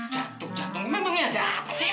jantung jantung ini memang ada apa sih